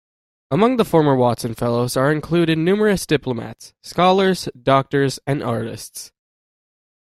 Among the former Watson Fellows are included numerous diplomats, scholars, doctors, and artists.